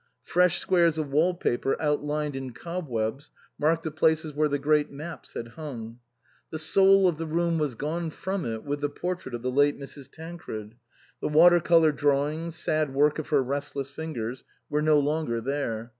Fresh squares of wall paper outlined in cobwebs marked the places where the great maps had hung. The soul of the room was gone from it with the portrait of the late Mrs. Tancred ; the water colour draw ings, sad work of her restless fingers, were no longer there.